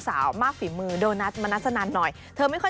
สาวมากฝีมือโดนัทมนัสนันหน่อยเธอไม่ค่อย